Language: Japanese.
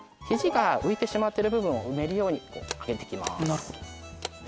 肘が浮いてしまってる部分を埋めるように上げていきます。